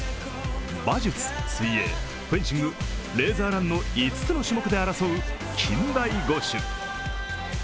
馬術、水泳、フェンシング、レーザーランの５つの種目で争う近代五種。